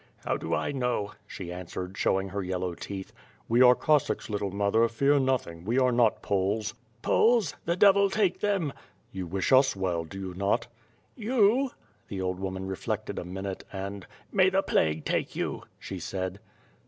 "How do I know?" she answered, showing her yellow teeth. "We are Cossacks, little mother, fear nothing, we are not Poles." "Poles? the devil take them!" "You wish us well — do you not?" "You?" the old woman reflected a minute and "May the plague take you," she said.